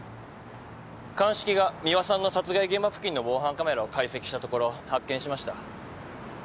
鑑識が美和さんの殺害現場付近の防犯カメラを解析したところ発見しました。